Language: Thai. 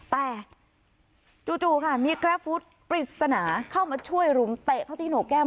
แต่จู่ค่ะมีกราฟฟุตปริศนาเข้ามาช่วยรุมเตะเข้าที่โหนกแก้ม